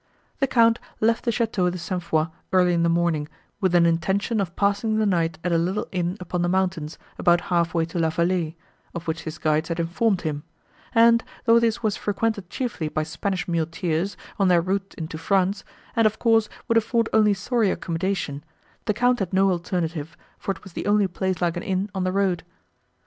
The Count left the château de St. Foix, early in the morning, with an intention of passing the night at a little inn upon the mountains, about half way to La Vallée, of which his guides had informed him; and, though this was frequented chiefly by Spanish muleteers, on their route into France, and, of course, would afford only sorry accommodation, the Count had no alternative, for it was the only place like an inn, on the road.